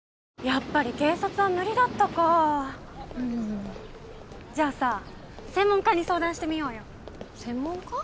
やっぱり警察は無理だったかうんじゃあさ専門家に相談してみようよ専門家？